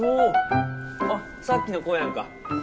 あっさっきの子やんか。